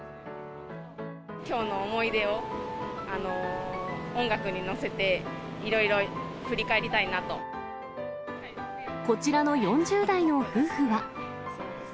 きょうの思い出を音楽に乗せて、こちらの４０代の夫婦は。